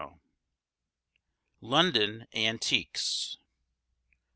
LONDON ANTIQUES.